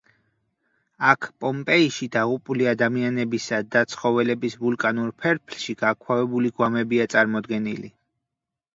აქ პომპეიში დაღუპული ადამიანებისა და ცხოველების ვულკანურ ფერფლში გაქვავებული გვამებია წარმოდგენილი.